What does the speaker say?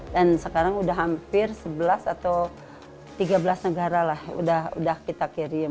dan sekarang sudah hampir sebelas atau tiga belas negara lah sudah kita kirim